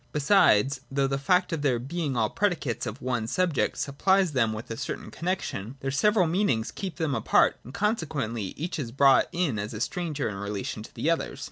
Besides, though the fact of their being all predicates of one subject supplies them with a certain connexion, their several meanings keep them apart : and conse quently each is brought in as a stranger in relation to the others.